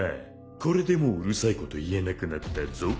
これでもううるさいこと言えなくなったぞ。